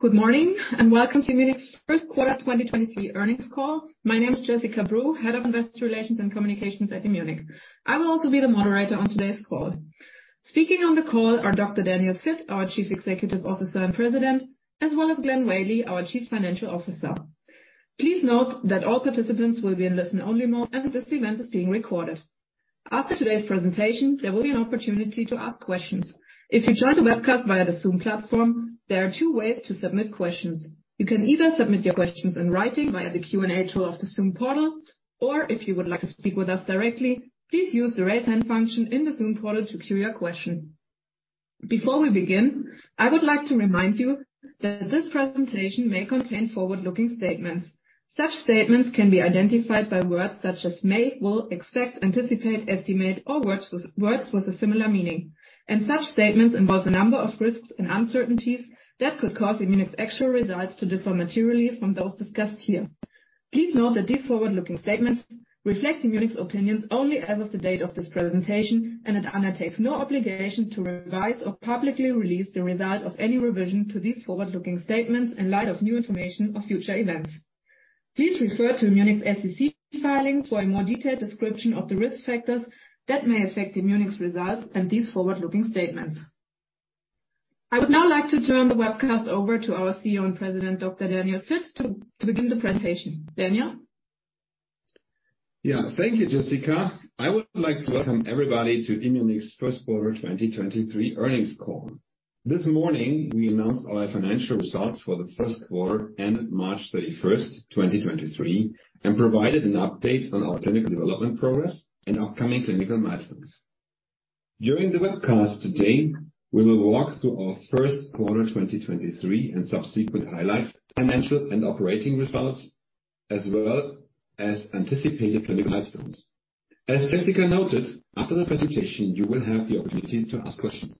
Good morning, and welcome to Immunic's 1st quarter 2023 earnings call. My name is Jessica Breu, Head of Investor Relations and Communications at Immunic. I will also be the moderator on today's call. Speaking on the call are Dr. Daniel Vitt, our Chief Executive Officer and President, as well as Glenn Whaley, our Chief Financial Officer. Please note that all participants will be in listen-only mode and that this event is being recorded. After today's presentation, there will be an opportunity to ask questions. If you joined the webcast via the Zoom platform, there are two ways to submit questions. You can either submit your questions in writing via the Q&A tool of the Zoom portal, or if you would like to speak with us directly, please use the raise hand function in the Zoom portal to queue your question. Before we begin, I would like to remind you that this presentation may contain forward-looking statements. Such statements can be identified by words such as may, will, expect, anticipate, estimate, or words with a similar meaning. Such statements involve a number of risks and uncertainties that could cause Immunic's actual results to differ materially from those discussed here. Please note that these forward-looking statements reflect Immunic's opinions only as of the date of this presentation and it undertakes no obligation to revise or publicly release the result of any revision to these forward-looking statements in light of new information or future events. Please refer to Immunic's SEC filings for a more detailed description of the risk factors that may affect Immunic's results and these forward-looking statements. I would now like to turn the webcast over to our CEO and President, Dr. Daniel Vitt, to begin the presentation. Daniel? Yeah. Thank you, Jessica. I would like to welcome everybody to Immunic's first quarter 2023 earnings call. This morning we announced our financial results for the first quarter ended March 31st, 2023, and provided an update on our technical development progress and upcoming clinical milestones. During the webcast today, we will walk through our first quarter 2023 and subsequent highlights, financial and operating results, as well as anticipated clinical milestones. As Jessica noted, after the presentation, you will have the opportunity to ask questions.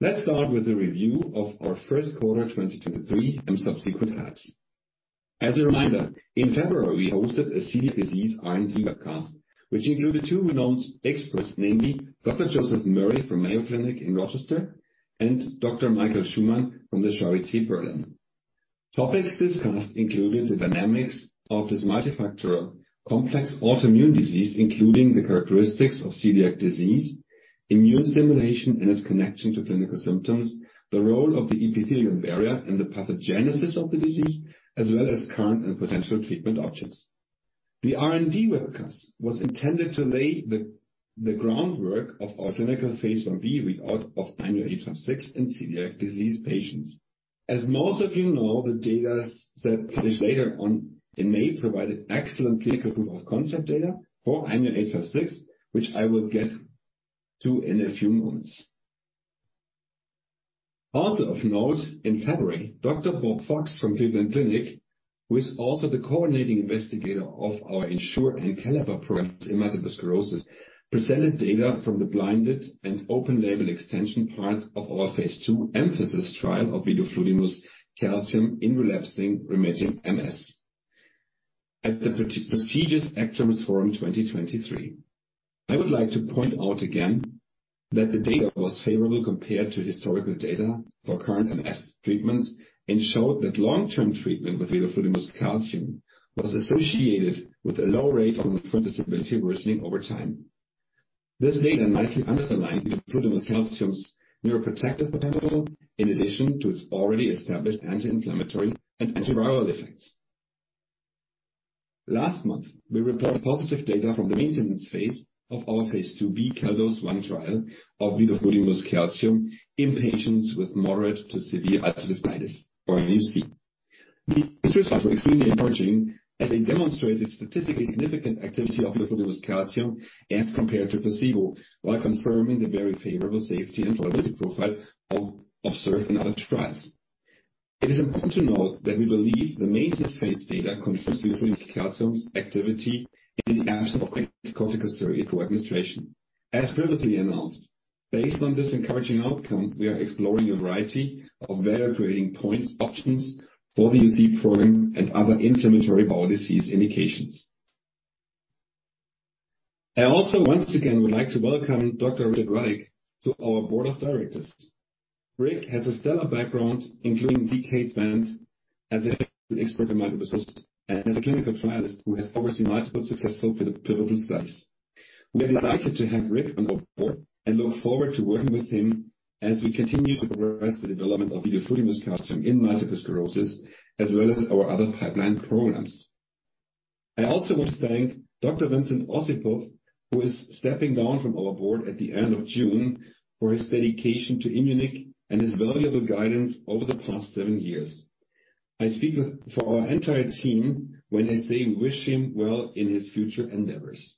Let's start with a review of our first quarter 2023 and subsequent highlights. As a reminder, in February, we hosted a celiac disease R&D webcast, which included two renowned experts, namely Dr. Joseph Murray from Mayo Clinic in Rochester and Dr. Michael Schumann from the Charité Berlin. Topics discussed included the dynamics of this multifactorial complex autoimmune disease, including the characteristics of celiac disease, immune stimulation and its connection to clinical symptoms, the role of the epithelium barrier in the pathogenesis of the disease, as well as current and potential treatment options. The R&D webcast was intended to lay the groundwork of our clinical phase Ib read out of IMU-856 in celiac disease patients. As most of you know, the data set finished later on in May, provided excellent clinical proof-of-concept data for IMU-856, which I will get to in a few moments. Also of note, in February, Dr. Robert Fox from Cleveland Clinic, who is also the coordinating investigator of our ENSURE and CALLIPER programs in multiple sclerosis, presented data from the blinded and open label extension parts of our phase II EMPhASIS trial of vidofludimus calcium in relapsing-remitting MS at the prestigious ACTRIMS Forum 2023. I would like to point out again that the data was favorable compared to historical data for current MS treatments, and showed that long-term treatment with vidofludimus calcium was associated with a low rate of confirmed disability worsening over time. This data nicely underlined vidofludimus calcium's neuroprotective potential in addition to its already established anti-inflammatory and antiviral effects. Last month, we reported positive data from the maintenance phase of our phase IIb CALDOSE-1 trial of vidofludimus calcium in patients with moderate to severe ulcerative colitis or UC. These results are extremely encouraging as they demonstrated statistically significant activity of vidofludimus calcium as compared to placebo, while confirming the very favorable safety and tolerability profile observed in other trials. It is important to note that we believe the maintenance phase data confirms vidofludimus calcium's activity in the absence of corticosteroids co-administration. As previously announced, based on this encouraging outcome, we are exploring a variety of value-creating points options for the UC program and other inflammatory bowel disease indications. I also once again would like to welcome Dr. Richard Rudick to our board of directors. Rick has a stellar background, including decades spent as an expert in multiple sclerosis and as a clinical trialist who has overseen multiple successful pivotal studies. We are delighted to have Rick on our board and look forward to working with him as we continue to progress the development of vidofludimus calcium in multiple sclerosis as well as our other pipeline programs. I also want to thank Dr. Vincent Ossipow, who is stepping down from our board at the end of June, for his dedication to Immunic and his valuable guidance over the past seven years. I speak for our entire team when I say we wish him well in his future endeavors.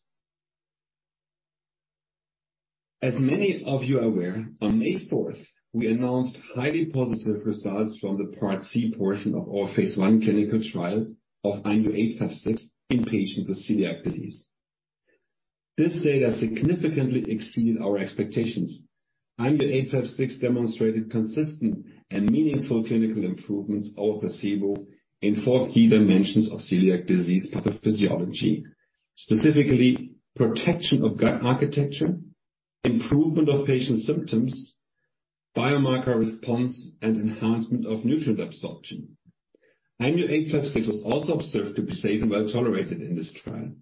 As many of you are aware, on May 4th, we announced highly positive results from the Part C portion of our phase I clinical trial of IMU-856 in patients with celiac disease. This data significantly exceeded our expectations. IMU-856 demonstrated consistent and meaningful clinical improvements over placebo in four key dimensions of celiac disease pathophysiology, specifically protection of gut architecture, improvement of patient symptoms, biomarker response, and enhancement of nutrient absorption. IMU-856 was also observed to be safe and well-tolerated in this trial.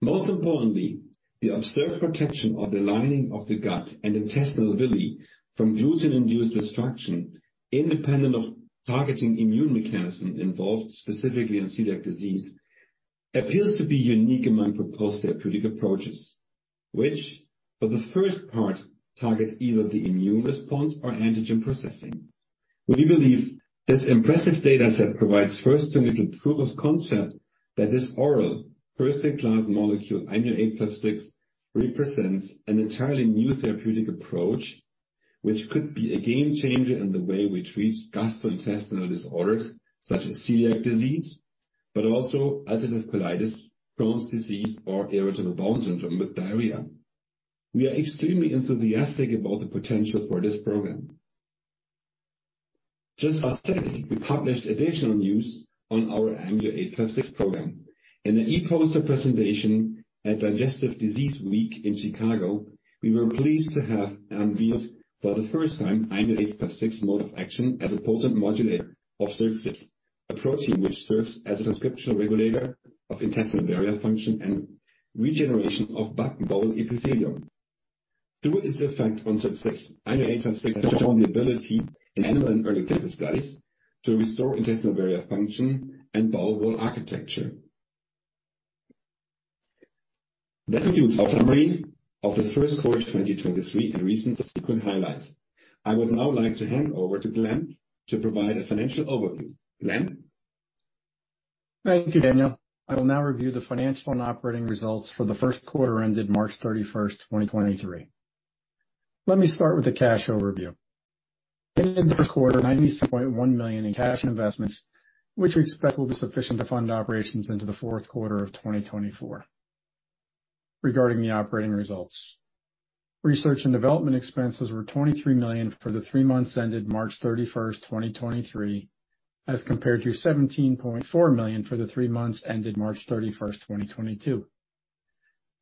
Most importantly, the observed protection of the lining of the gut and intestinal villi from gluten-induced destruction, independent of targeting immune mechanisms involved specifically in celiac disease, appears to be unique among proposed therapeutic approaches, which for the first part target either the immune response or antigen processing. We believe this impressive data set provides first clinical proof of concept that this oral first-in-class molecule, IMU-856, represents an entirely new therapeutic approach, which could be a game changer in the way we treat gastrointestinal disorders such as celiac disease, but also ulcerative colitis, Crohn's disease, or irritable bowel syndrome with diarrhea. We are extremely enthusiastic about the potential for this program. Just last week, we published additional news on our IMU-856 program. In an e-poster presentation at Digestive Disease Week in Chicago, we were pleased to have unveiled for the first time IMU-856 mode of action as a potent modulator of SIRT6, a protein which serves as a transcriptional regulator of intestinal barrier function and regeneration of bowel epithelium. Through its effect on SIRT6, IMU-856 has shown the ability in animal and early test studies to restore intestinal barrier function and bowel wall architecture. That concludes our summary of the first quarter 2023 and recent subsequent highlights. I would now like to hand over to Glenn to provide a financial overview. Glenn. Thank you, Daniel. I will now review the financial and operating results for the first quarter ended March 31st, 2023. Let me start with the cash overview. In the first quarter, $97.1 million in cash investments, which we expect will be sufficient to fund operations into the fourth quarter of 2024. Regarding the operating results, research and development expenses were $23 million for the three months ended March 31st, 2023, as compared to $17.4 million for the three months ended March 31st, 2022.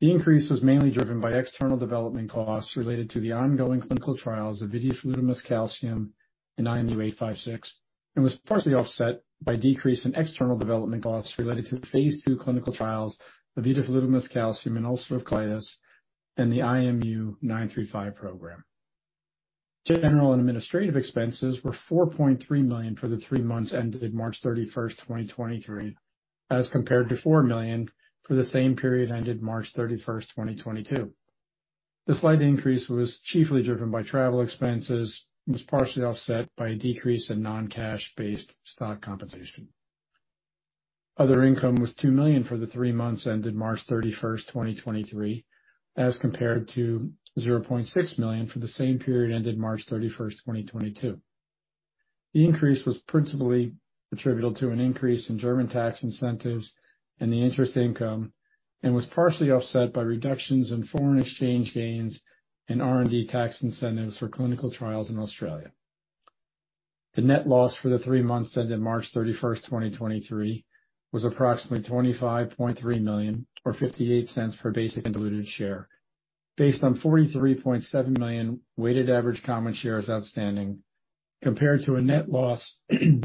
The increase was mainly driven by external development costs related to the ongoing clinical trials of vidofludimus calcium and IMU-856, was partially offset by decrease in external development costs related to the phase II clinical trials of vidofludimus calcium in ulcerative colitis and the IMU-935 program. General and administrative expenses were $4.3 million for the 3 months ended March 31, 2023, as compared to $4 million for the same period ended March 31, 2022. The slight increase was chiefly driven by travel expenses and was partially offset by a decrease in non-cash based stock compensation. Other income was $2 million for the 3 months ended March 31, 2023, as compared to $0.6 million for the same period ended March 31, 2022. The increase was principally attributable to an increase in German tax incentives and the interest income, and was partially offset by reductions in foreign exchange gains and R&D tax incentives for clinical trials in Australia. The net loss for the three months ended March 31st, 2023, was approximately $25.3 million or $0.58 per basic and diluted share, based on 43.7 million weighted average common shares outstanding, compared to a net loss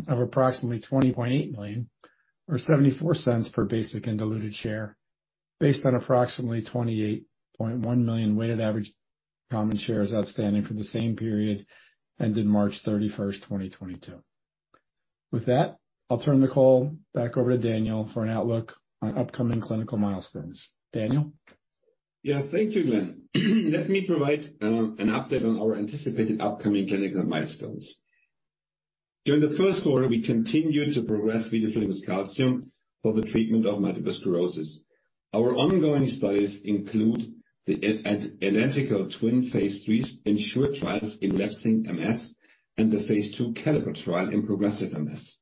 of approximately $20.8 million or $0.74 per basic and diluted share based on approximately 28.1 million weighted average common shares outstanding for the same period ended March 31st, 2022. With that, I'll turn the call back over to Daniel for an outlook on upcoming clinical milestones. Daniel? Thank you, Glenn. Let me provide an update on our anticipated upcoming clinical milestones. During the first quarter, we continued to progress vidofludimus calcium for the treatment of multiple sclerosis. Our ongoing studies include the twin phase III ENSURE trials in relapsing MS and the phase II CALLIPER trial in progressive MS.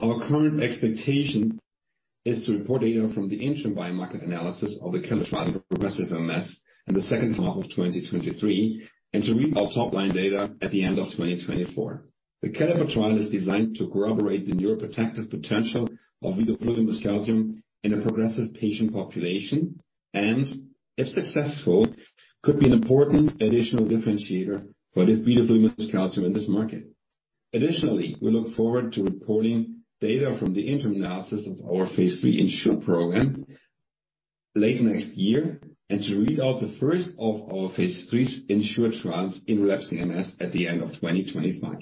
Our current expectation is to report data from the interim biomarker analysis of the CALLIPER trial in progressive MS in the second half of 2023, and to read out top line data at the end of 2024. The CALLIPER trial is designed to corroborate the neuroprotective potential of vidofludimus calcium in a progressive patient population, and if successful, could be an important additional differentiator for the vidofludimus calcium in this market. Additionally, we look forward to reporting data from the interim analysis of our phase III ENSURE program late next year, and to read out the first of our phase III ENSURE trials in relapsing MS at the end of 2025.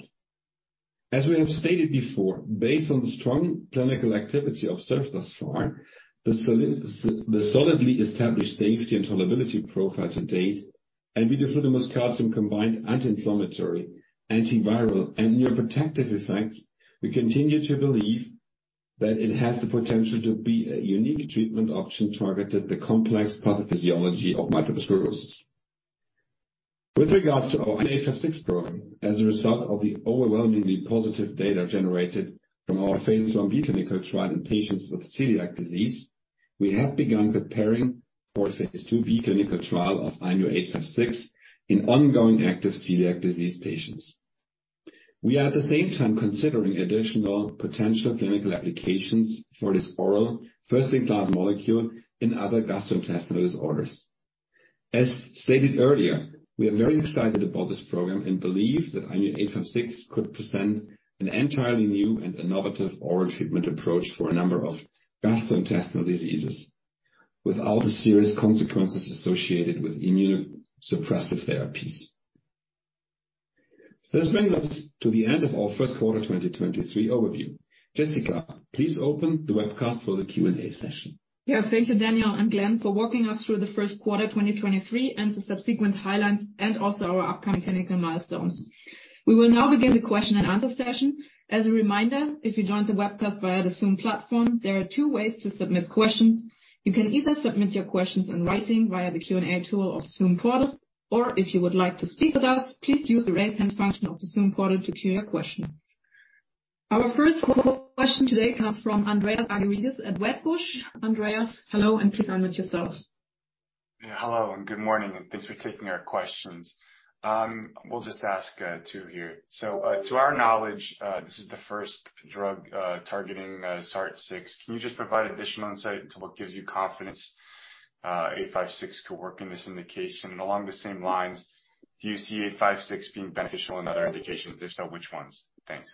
As we have stated before, based on the strong clinical activity observed thus far, the solidly established safety and tolerability profile to date, and vidofludimus calcium combined anti-inflammatory, antiviral, and neuroprotective effects, we continue to believe that it has the potential to be a unique treatment option targeted at the complex pathophysiology of multiple sclerosis. With regards to our IMU-856 program, as a result of the overwhelmingly positive data generated from our phase IIb clinical trial in patients with celiac disease, we have begun preparing for a phase IIb clinical trial of IMU-856 in ongoing active celiac disease patients. We are at the same time considering additional potential clinical applications for this oral first-in-class molecule in other gastrointestinal disorders. As stated earlier, we are very excited about this program and believe that IMU-856 could present an entirely new and innovative oral treatment approach for a number of gastrointestinal diseases without the serious consequences associated with immunosuppressive therapies. This brings us to the end of our first quarter 2023 overview. Jessica, please open the webcast for the Q&A session. Thank you, Daniel and Glenn, for walking us through the first quarter 2023 and the subsequent highlights and also our upcoming technical milestones. We will now begin the question and answer session. As a reminder, if you joined the webcast via the Zoom platform, there are two ways to submit questions. You can either submit your questions in writing via the Q&A tool of Zoom portal, or if you would like to speak with us, please use the raise hand function of the Zoom portal to queue your question. Our first question today comes from Andreas Argyrides at Wedbush. Andreas, hello and please unmute yourselves. Hello and good morning, and thanks for taking our questions. We'll just ask two here. To our knowledge, this is the first drug targeting SIRT6. Can you just provide additional insight into what gives you confidence IMU-856 could work in this indication? Along the same lines, do you see IMU-856 being beneficial in other indications? If so, which ones? Thanks.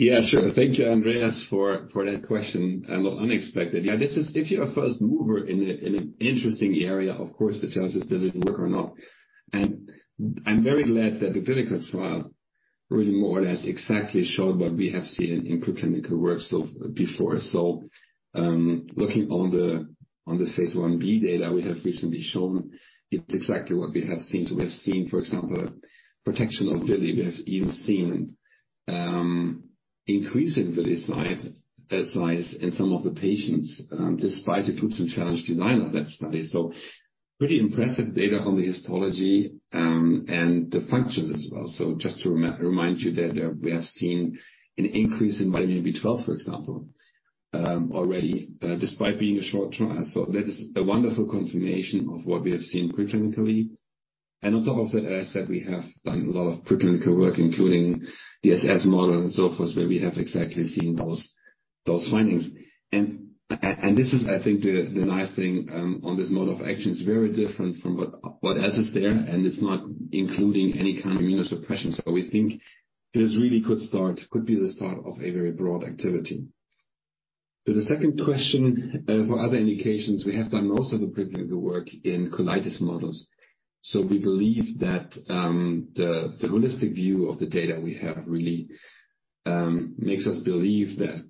Sure. Thank you, Andreas, for that question. A lot unexpected. If you're a first mover in an interesting area, of course, the challenge is, does it work or not. I'm very glad that the clinical trial really more or less exactly showed what we have seen in preclinical work before. Looking on the phase Ib data, we have recently shown it exactly what we have seen. We have seen, for example, protection of villi. We have even seen increase in villi size in some of the patients, despite gluten challenge design of that study. Pretty impressive data on the histology and the functions as well. Just to remind you that we have seen an increase in vitamin B12, for example, already, despite being a short trial. That is a wonderful confirmation of what we have seen preclinically. On top of that, as I said, we have done a lot of preclinical work, including DSS model and so forth, where we have exactly seen those findings. This is, I think the nice thing on this mode of action. It's very different from what else is there, and it's not including any kind of immunosuppression. We think this really could be the start of a very broad activity. To the second question, for other indications, we have done most of the preclinical work in colitis models. We believe that the holistic view of the data we have really makes us believe that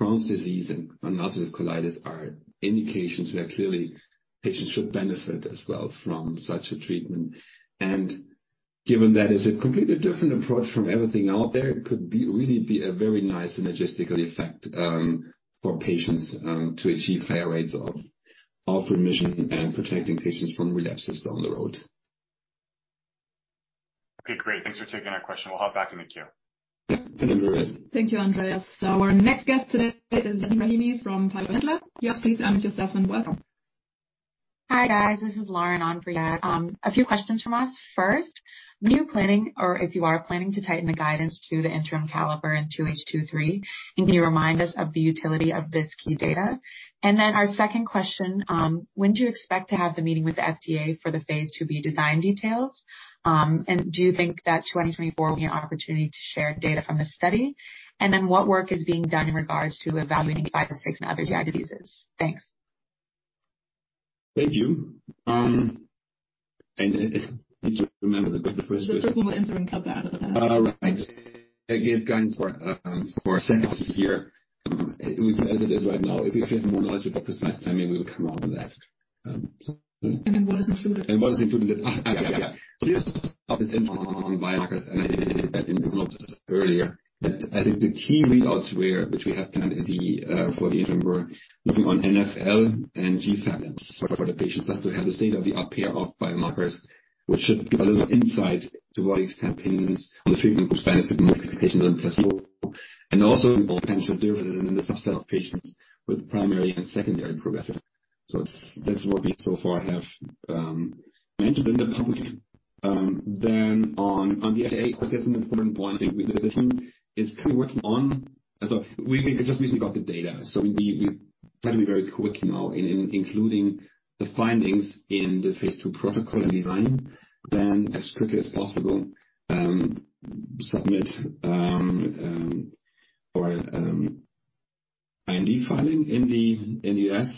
Crohn's disease and ulcerative colitis are indications where clearly patients should benefit as well from such a treatment. Given that it's a completely different approach from everything out there, it could really be a very nice synergistic effect for patients to achieve higher rates of remission and protecting patients from relapses down the road. Okay, great. Thanks for taking our question. We'll hop back in the queue. Thank you, Andreas. Thank you, Andreas. Our next guest today is Lauren Andrea from Piper Sandler. Yes, please unmute yourself and welcome. Hi, guys, this is Lauren Andrea. A few questions from us. First, when are you planning or if you are planning to tighten the guidance to the interim CALLIPER in 2H3? Can you remind us of the utility of this key data? Our second question, when do you expect to have the meeting with the FDA for the phase IIb design details? Do you think that 2024 will be an opportunity to share data from the study? What work is being done in regards to evaluating 556 in other GI diseases? Thanks. Thank you. Did you remember the first. The first one was interim CALLIPER. All right. Again, guidance for second half of the year. As it is right now, if we have more knowledge about precise timing, we will come out with that. What is included. What is included. Yeah. Just on biomarkers, and I think that was not earlier, that I think the key readouts were, which we have done in the for the interim were looking on NfL and GFAP for the patients. That we have the state-of-the-art pair of biomarkers, which should give a little insight to what is happening on the treatment response, the modifications on placebo, and also potential differences in the subset of patients with primary and secondary progressive. That's what we so far have mentioned in the public. On the FDA, of course, that's an important point. I think the team is kind of working on... We just recently got the data, we try to be very quick now in including the findings in the phase II protocol and design, then as quickly as possible, submit our IND filing in the U.S.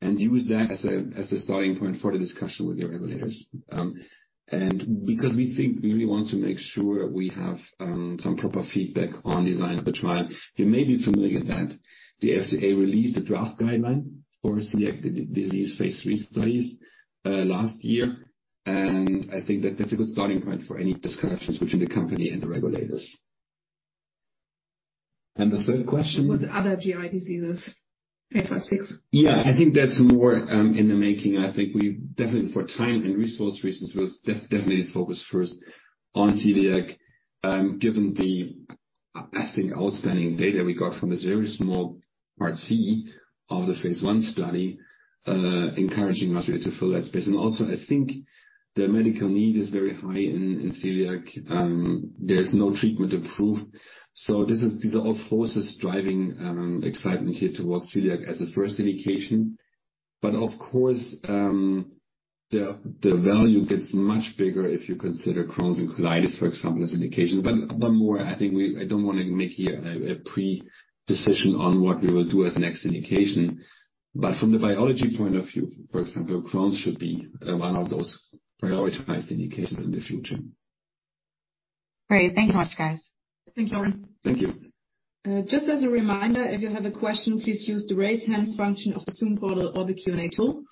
and use that as a starting point for the discussion with the regulators. Because we think we really want to make sure we have some proper feedback on design of the trial. You may be familiar that the FDA released a draft guideline for celiac disease phase III studies last year, and I think that that's a good starting point for any discussions between the company and the regulators. The third question? Was other GI diseases, IMU-856. Yeah. I think that's more in the making. I think we definitely for time and resource reasons, we'll definitely focus first on celiac, given I think outstanding data we got from the very small Part C of the phase I study, encouraging us really to fill that space. Also, I think the medical need is very high in celiac. There's no treatment approved, so these are all forces driving excitement here towards celiac as a first indication. Of course, the value gets much bigger if you consider Crohn's and colitis, for example, as indication. More I think I don't wanna make here a pre-decision on what we will do as next indication, but from the biology point of view, for example, Crohn's should be one of those prioritized indications in the future. Great. Thanks so much, guys. Thanks, Lauren. Thank you. Just as a reminder, if you have a question, please use the Raise Hand function of the Zoom portal or the Q&A tool.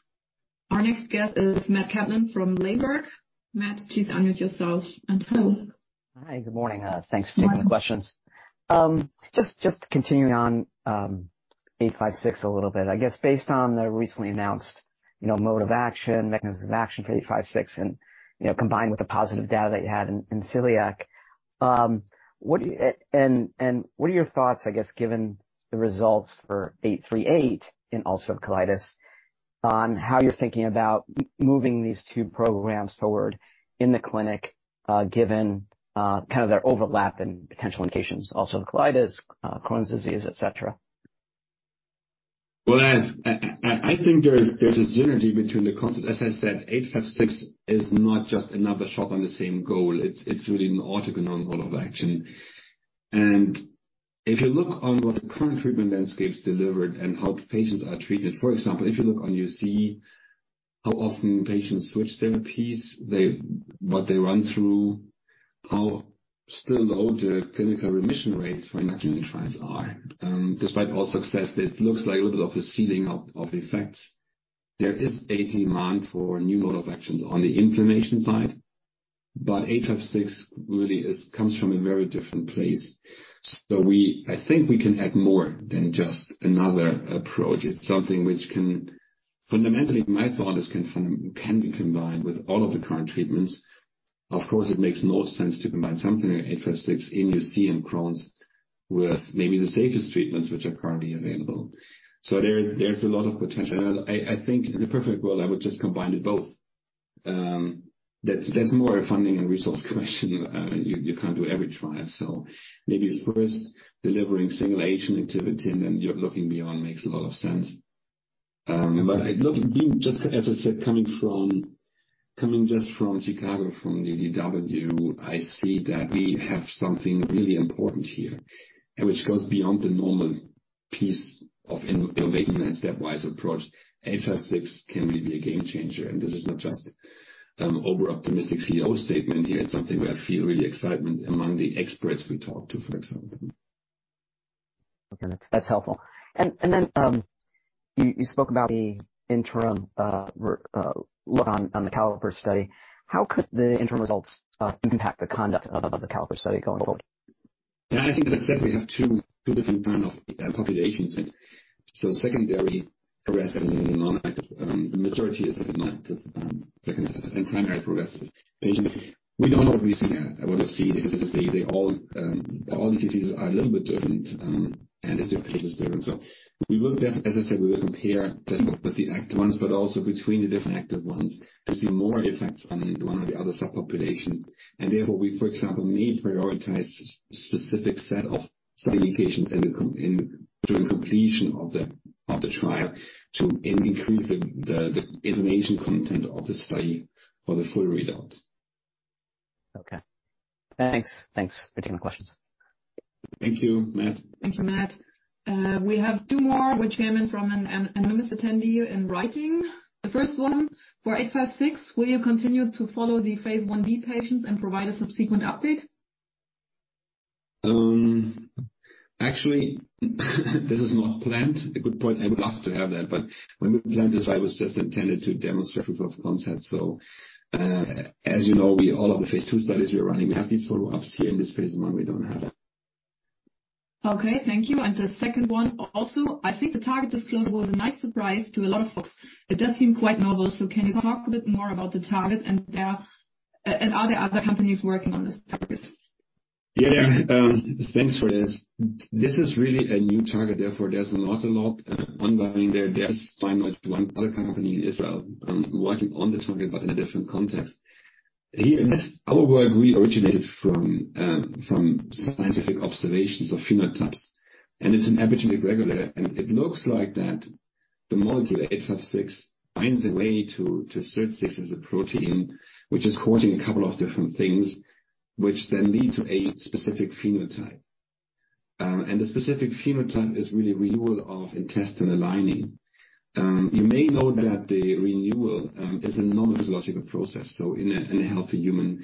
Our next guest is Matt Kaplan from Ladenburg Thalmann. Matt, please unmute yourself and hello. Hi. Good morning. Good morning. -taking the questions. Just continuing on, IMU-856 a little bit. I guess based on the recently announced, you know, mode of action, mechanism of action for IMU-856 and, you know, combined with the positive data that you had in celiac disease, what are your thoughts, I guess, given the results for IMU-838 in ulcerative colitis on how you're thinking about moving these two programs forward in the clinic, given kind of their overlap in potential indications, ulcerative colitis, Crohn's disease, et cetera? As I think there's a synergy between the concepts. As I said, IMU-856 is not just another shot on the same goal. It's really an orthogonal mode of action. If you look on what the current treatment landscape's delivered and how patients are treated, for example, if you look on UC, how often patients switch therapies, what they run through, how still low the clinical remission rates for many trials are. Despite all success, it looks like a little bit of a ceiling of effects. There is a demand for new mode of actions on the inflammation side, IMU-856 really comes from a very different place. I think we can add more than just another approach. It's something which can... Fundamentally, my thought is can be combined with all of the current treatments. Of course, it makes most sense to combine something like IMU-856 in UC and Crohn's disease with maybe the safest treatments which are currently available. There's a lot of potential. I think in a perfect world, I would just combine the both. That's, that's more a funding and resource question. You can't do every trial, maybe first delivering simulation activity and then you're looking beyond makes a lot of sense. Look, being just, as I said, coming from Chicago from DDW, I see that we have something really important here and which goes beyond the normal piece of innovation and stepwise approach. IMU-856 can really be a game changer. This is not just an over-optimistic CEO statement here. It's something where I feel really excitement among the experts we talk to, for example. Okay. That's helpful. Then, you spoke about the interim re-look on the CALLIPER study. How could the interim results impact the conduct of the CALLIPER study going forward? I think, as I said, we have two different kind of populations. Secondary progressive and non-active, the majority is in active and primary progressive patients. We don't know recent yet what we see because they all these diseases are a little bit different, and the statistics is different. We will as I said, we will compare not just with the active ones, but also between the different active ones to see more effects on one or the other subpopulation. Therefore, we, for example, may prioritize specific set of sub-indications during completion of the trial to increase the information content of the study for the full readout. Okay. Thanks. Thanks for taking the questions. Thank you, Matt. Thank you, Matt. We have two more which came in from an anonymous attendee in writing. The first one, for IMU-856, will you continue to follow the phase Ib patients and provide a subsequent update? Actually, this is not planned. A good point. I would love to have that, but when we planned this, it was just intended to demonstrate proof of concept. As you know, we, all of the phase II studies we are running, we have these follow-ups. Here in this phase I, we don't have that. Okay, thank you. The second one also, I think the target disclosure was a nice surprise to a lot of folks. It does seem quite novel, can you talk a bit more about the target and are there other companies working on this target? Yeah. Thanks for this. This is really a new target, therefore there's not a lot ongoing there. There's by much one other company in Israel working on the target but in a different context. Here in this, our work, we originated from scientific observations of phenotypes, it's an epigenetic regulator. It looks like that the molecule IMU-856 finds a way to search this as a protein which is causing a couple of different things which then lead to a specific phenotype. The specific phenotype is really renewal of intestinal lining. You may know that the renewal is a normal physiological process. In a healthy human,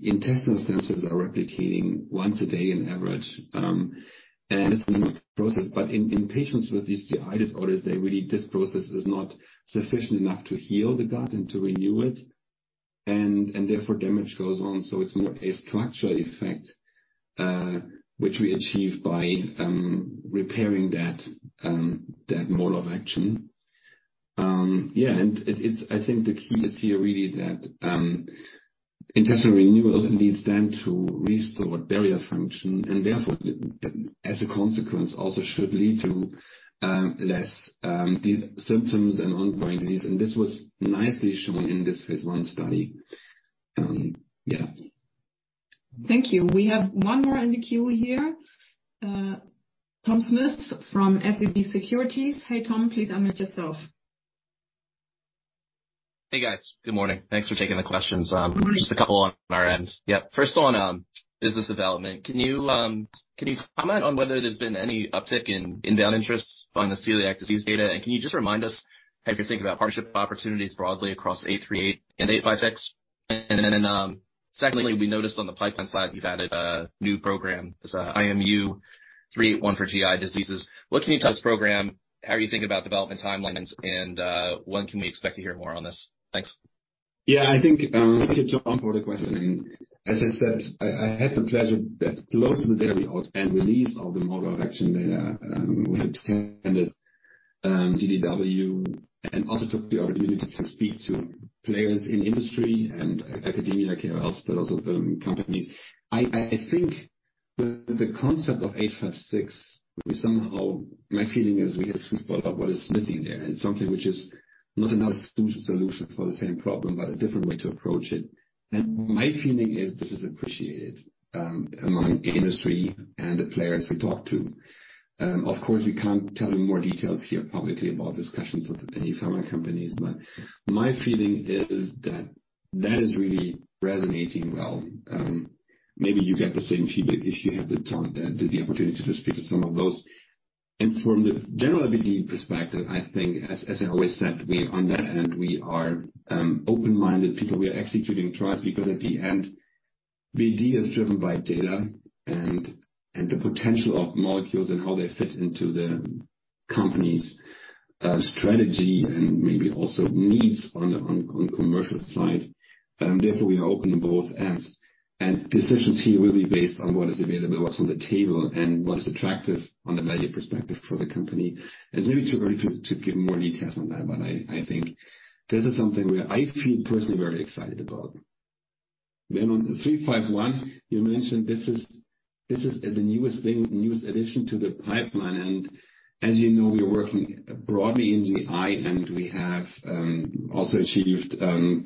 intestinal cells are replicating once a day on average. This is a normal process, but in patients with these GI disorders, they really this process is not sufficient enough to heal the gut and to renew it, and therefore damage goes on. It's more a structural effect, which we achieve by repairing that mode of action. Yeah, it's, I think the key is here really that intestinal renewal leads then to restored barrier function and therefore, as a consequence, also should lead to less symptoms and ongoing disease. This was nicely shown in this phase I study. Yeah. Thank you. We have one more in the queue here. Tom Smith from SVB Securities. Hey, Tom, please unmute yourself. Hey, guys. Good morning. Thanks for taking the questions. Just a couple on our end. First on, business development, can you, can you comment on whether there's been any uptick in inbound interest on the celiac disease data? Can you just remind us how you think about partnership opportunities broadly across IMU-838 and IMU-856? Secondly, we noticed on the pipeline side you've added a new program, this, IMU-381 for GI diseases. What can you tell us program, how you think about development timelines, and, when can we expect to hear more on this? Thanks. Yeah, I think, thank you, Tom, for the question. As I said, I had the pleasure that close to the day we out and released all the mode of action data, we had attended DDW and also took the opportunity to speak to players in industry and academia care also, but also companies. I think the concept of IMU-856 is somehow my feeling is we have somewhat what is missing there and something which is not another solution for the same problem, but a different way to approach it. My feeling is this is appreciated among industry and the players we talk to. Of course, we can't tell you more details here publicly about discussions with any pharma companies, my feeling is that that is really resonating well. maybe you get the same feedback if you had the opportunity to speak to some of those. From the general BD perspective, I think as I always said, we on that end, we are open-minded people. We are executing trials because at the end BD is driven by data and the potential of molecules and how they fit into the company's strategy and maybe also needs on the commercial side. Therefore, we are open on both ends. Decisions here will be based on what is available, what's on the table and what is attractive on the value perspective for the company. It's maybe too very to give more details on that, but I think this is something where I feel personally very excited about. On IMU-351, you mentioned this is the newest thing, newest addition to the pipeline. As you know, we're working broadly in GI, and we have also achieved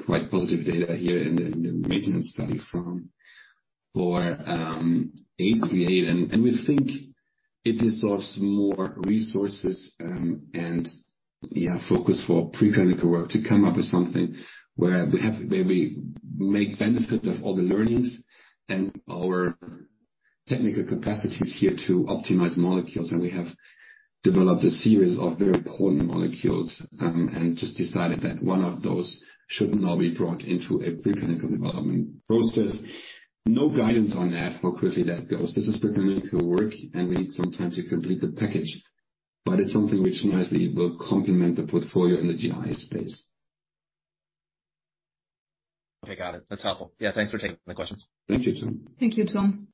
quite positive data here in the maintenance study for IMU-838. We think it deserves more resources and focus for preclinical work to come up with something where we make benefit of all the learnings and our technical capacities here to optimize molecules. We have developed a series of very potent molecules and just decided that one of those should now be brought into a preclinical development process. No guidance on that, how quickly that goes. This is preclinical work, and we need some time to complete the package, but it's something which nicely will complement the portfolio in the GI space. Got it. That's helpful. Thanks for taking my questions. Thank you, Tom. Thank you, Tom.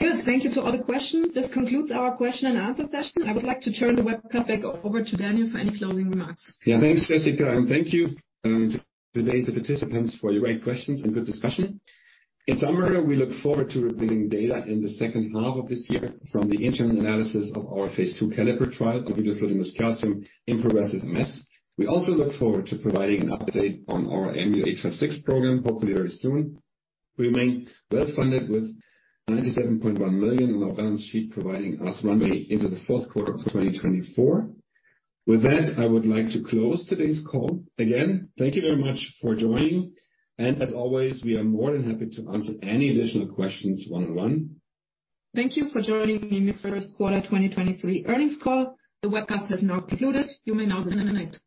Good. Thank you to all the questions. This concludes our question and answer session. I would like to turn the webcast back over to Daniel for any closing remarks. Yeah, thanks, Jessica. Thank you today the participants for your great questions and good discussion. In summary, we look forward to revealing data in the second half of this year from the interim analysis of our phase II CALLIPER trial of vidofludimus calcium in progressive MS. We also look forward to providing an update on our IMU-856 program, hopefully very soon. We remain well-funded with $97.1 million on our balance sheet, providing us runway into the fourth quarter of 2024. With that, I would like to close today's call. Again, thank you very much for joining, and as always, we are more than happy to answer any additional questions one-on-one. Thank you for joining the first quarter 2023 earnings call. The webcast has now concluded. You may now disconnect.